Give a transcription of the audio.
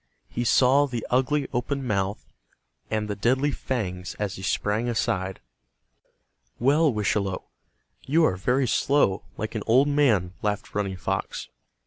He saw the ugly open mouth and the deadly fangs as he sprang aside. "Well, Wischalowe, you are very slow, like an old man," laughed Running Fox.